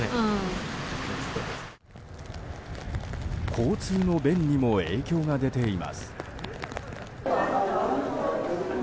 交通の便にも影響が出ています。